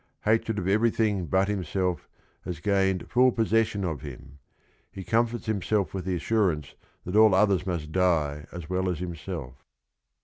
Hatred of everything but himself has gained full possession of him. H e comforts h imself with th e assurance that all others must die as wel Las hims elf.